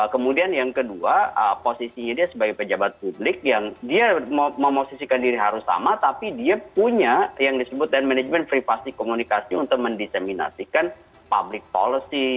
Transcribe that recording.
kemudian yang kedua posisinya dia sebagai pejabat publik yang dia memosisikan diri harus sama tapi dia punya yang disebut dan manajemen privasi komunikasi untuk mendiseminasikan public policy